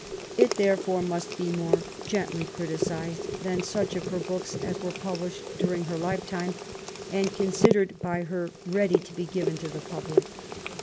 " It therefore must be more gently criti cised than such of her books as were published during her life time, and considered by her ready to be given to the public.